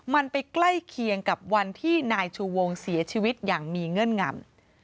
มันไปใกล้เคียงกับวันที่นายชูวงเสียชีวิตอย่างมีเงื่อนงำ